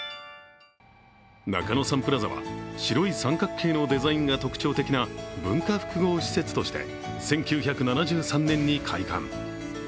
中野サンプラザは白い三角形のデザインが特徴的な文化複合施設として１９７３年に開館。